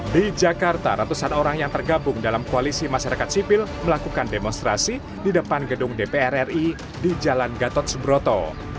di jakarta ratusan orang yang tergabung dalam koalisi masyarakat sipil melakukan demonstrasi di depan gedung dpr ri di jalan gatot subroto